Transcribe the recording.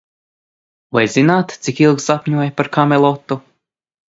Vai zināt, cik ilgi sapņoju par Kamelotu?